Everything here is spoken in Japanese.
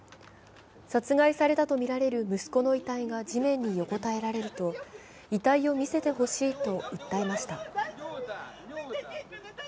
殺害されたとみられる息子の遺体が地面に横たえられると遺体を見せてほしいと訴えました。